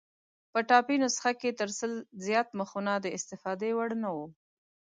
په ټایپي نسخه کې تر سل زیات مخونه د استفادې وړ نه وو.